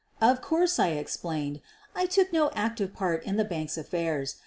Of course, I explained, I took no active part in the bank's affairs.